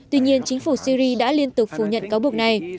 tuy nhiên chính phủ syri đã liên tục phủ nhận cáo buộc này